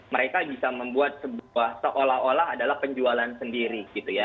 mereka bisa membuat sebuah seolah olah adalah penjualan sendiri gitu ya